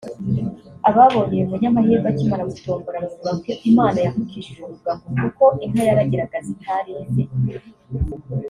Ababonye uyu munyamahirwe akimara gutombola bavuga ko Imana yamukijije urubwa ngo kuko inka yaragiraga zitari ize